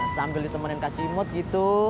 sambil ditemenin kacimot gitu